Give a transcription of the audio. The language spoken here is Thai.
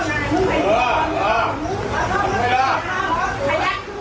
เผื่อ